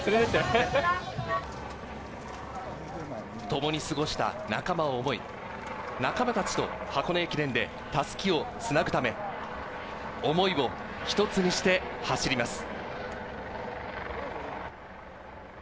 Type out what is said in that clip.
共に過ごした仲間を思い、仲間たちと箱根駅伝でたすきをつなぐため、思いを一つにして走ります。